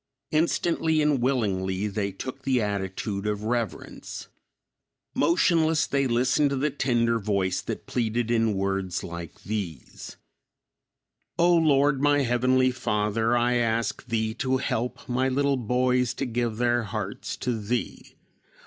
Instantly and willingly, they took the attitude of reverence; motionless they listened to the tender voice that pleaded in words like these: "O Lord, my heavenly Father, I ask Thee to help my little boys to give their hearts to Thee.